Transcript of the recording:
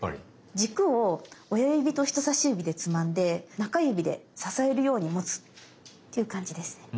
軸を親指と人さし指でつまんで中指で支えるように持つっていう感じですね。